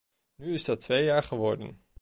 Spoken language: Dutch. Nu is dat twee jaar geworden.